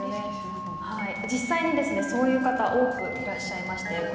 実際にそういう方は多くいらっしゃいます。